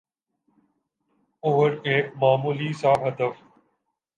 اور ایک معمولی سا ہدف